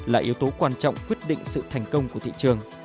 là yếu tố quan trọng quyết định sự thành công của thị trường